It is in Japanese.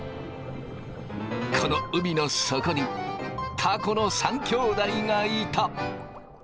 この海の底にたこの３きょうだいがいた。